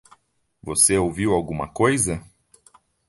Você ouviu alguma coisa?